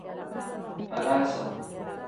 Falaasa.